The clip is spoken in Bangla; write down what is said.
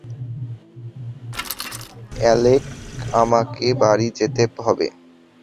অ্যালেক আমাকে বাড়ি যেতে হবে।